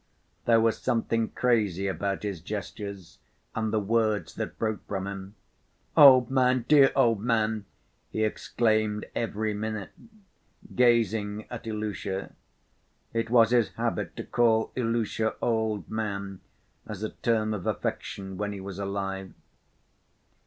There was something crazy about his gestures and the words that broke from him. "Old man, dear old man!" he exclaimed every minute, gazing at Ilusha. It was his habit to call Ilusha "old man," as a term of affection when he was alive.